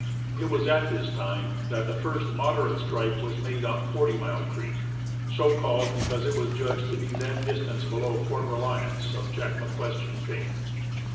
It was at this time that the first moderate strike was made on Forty Mile Creek, so called because it was judged to be that distance below Fort Reliance of Jack McQuestion fame.